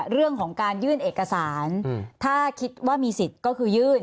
เรื่องของการยื่นเอกสารถ้าคิดว่ามีสิทธิ์ก็คือยื่น